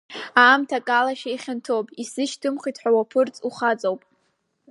Аамҭа акалашәа ихьанҭоуп, исзышьҭымхт ҳәа, уаԥырҵ, ухаҵоуп!